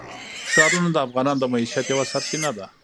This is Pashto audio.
ښارونه د افغانانو د معیشت یوه سرچینه ده.